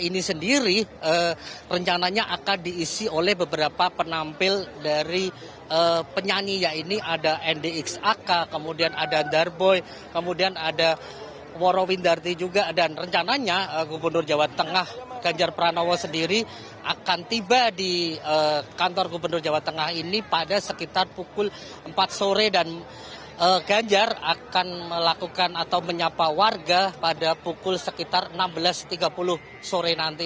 ini sendiri rencananya akan diisi oleh beberapa penampil dari penyanyi ya ini ada ndx ak kemudian ada darboy kemudian ada moro windarti juga dan rencananya gubernur jawa tengah ganjar pranowo sendiri akan tiba di kantor gubernur jawa tengah ini pada sekitar pukul empat sore dan ganjar akan melakukan atau menyapa warga pada pukul sekitar enam belas tiga puluh sore nanti